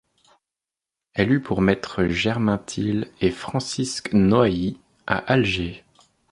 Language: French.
Elle eut pour maîtres Germain-Thill et Francisque Noailly à Alger.